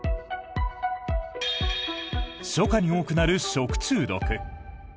初夏に多くなる食中毒。